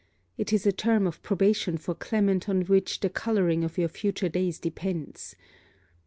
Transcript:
It is a term of probation for Clement on which the colouring of your future days depends.